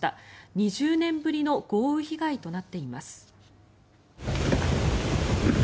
２０年ぶりの豪雨被害となっています。